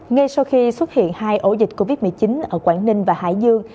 ngay sau khi xuất hiện hai ổ dịch covid một mươi chín ở quảng ninh và hải dương